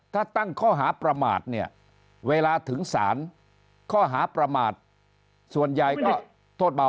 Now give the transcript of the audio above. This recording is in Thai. ถ้าตั้งข้อหาประมาทเนี่ยเวลาถึงศาลข้อหาประมาทส่วนใหญ่ก็โทษเบา